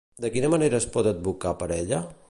De quina manera es pot advocar per ella?